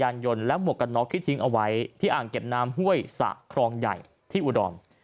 รถจากขยานโยนและหมวกนอกที่ทิ้งเอาไว้ที่อ่างเก็บน้ำเว่ยสระครองใหญ่ที่อุดออม